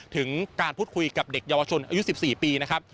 ถึงการพูดคุยกับเด็กเยาวชนอายุ๑๔ปีนะครับ